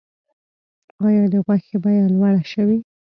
آیا د غوښې بیه لوړه شوې؟